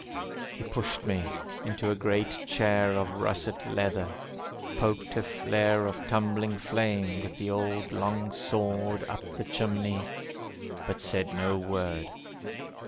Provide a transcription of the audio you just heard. He pushed me into a great chair Of russet leather, poked a flare Of tumbling flame, with the old long sword, Up the chimney; but said no word.